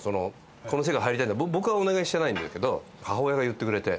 この世界入りたいって僕はお願いしてないんだけど母親が言ってくれて。